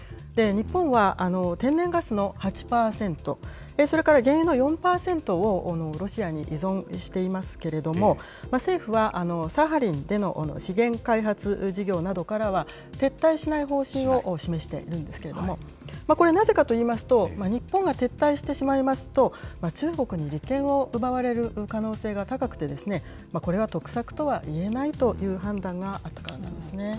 日本は天然ガスの８％、それから原油の４％を、ロシアに依存していますけれども、政府はサハリンでの資源開発事業などからは撤退しない方針を示しているんですけれども、これ、なぜかといいますと、日本が撤退してしまいますと、中国に利権を奪われる可能性が高くて、これは得策とはいえないという判断があったからなんですね。